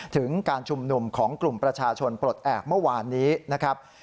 ถึงการชุมนุมของกลุ่มประชาชนปลดแอบเมื่อวานนี้นะครับ